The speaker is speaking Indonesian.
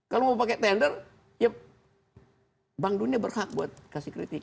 kalau mau pakai tender ya bank dunia berhak buat kasih kritik